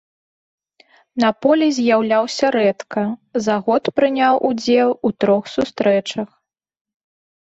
На полі з'яўляўся рэдка, за год прыняў удзел у трох сустрэчах.